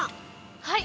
◆はい。